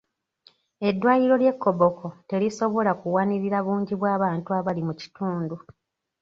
Eddwaliro ly'e Koboko terisobola kuwanirira bungi bw'abantu abali mu kitundu.